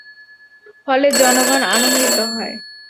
ফলে জনগণ আনন্দিত হয়।